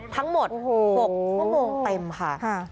ทั้งหมด๖โมงเต็มค่ะ